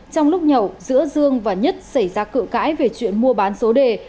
trong lúc nhậu giữa dương và nhất xảy ra cự cãi về chuyện mua bán số đề